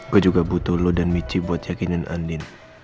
gue juga butuh lo dan michie buat yakinin andin